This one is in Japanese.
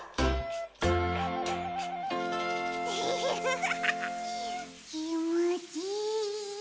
フフフフきもちいい。